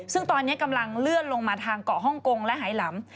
ซึ่งตอนนี้กำลังเลื่อนลงมาทางเกาะฮ่องกงและหายหลำ